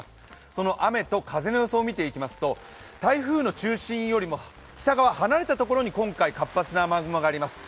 その雨と風の予想を見ていきますと、台風の中心よりも北側、離れたところに今回活発な雨雲があります。